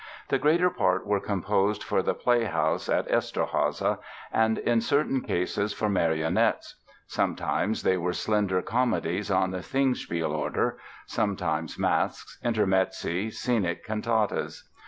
The greater part were composed for the play house at Eszterháza and in certain cases for marionettes. Sometimes they were slender comedies, on the "Singspiel" order, sometimes masques, intermezzi, scenic cantatas.